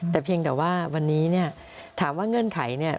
แต่เพียงแต่ว่าวันนี้เนี่ยถามว่าเงื่อนไขเนี่ย